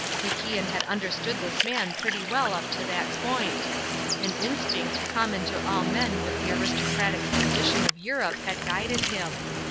MacIan had understood his man pretty well up to that point; an instinct common to all men with the aristocratic tradition of Europe had guided him.